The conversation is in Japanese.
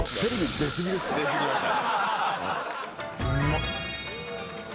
出過ぎました。